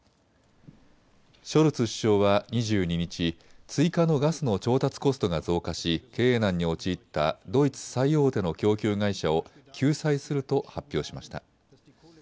ショルツ首相は２２日、追加のガスの調達コストが増加し経営難に陥ったドイツ最大手の供給会社を救済すると発表しました。